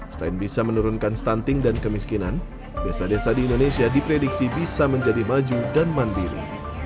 selain bisa menurunkan stunting dan kemiskinan desa desa di indonesia diprediksi bisa menjadi maju dan mandiri